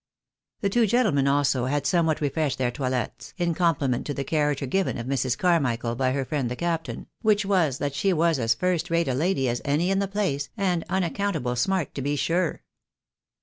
The two gentlemen, also, had somewhat refreshed their toilets, in compliment to the character given of Mrs. Carmichael by her friend the captain, which was, that she was as first rate a lady as any in the place, and " unaccountable smart to be sure."